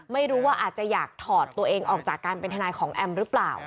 ไม่รู้ว่าอาจจะอยากถอดตัวเองออกจากการเป็นทนายของแอมหรือเปล่า